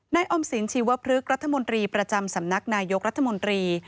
ออมสินชีวพฤกษรัฐมนตรีประจำสำนักนายกรัฐมนตรี